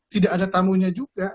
tidak ada tamunya juga